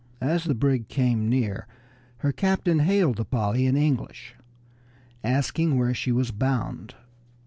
As the brig came near her captain hailed the Polly in English, asking where she was bound.